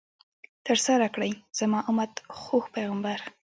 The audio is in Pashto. ترسره کړئ، زما امت ، خوږ پیغمبر